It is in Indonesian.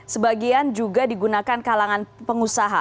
sebagian juga digunakan kalangan pengusaha